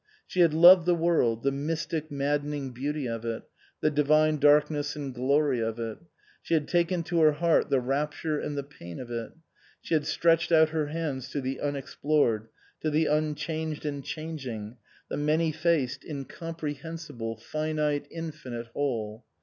She had loved the world, the mystic maddening beauty of it, the divine darkness and glory of it. She had taken to her heart the rapture and the pain of it. She had stretched out her hands to the unexplored, to the unchanged and changing, the many faced, incomprehensible, finite, infinite Whole.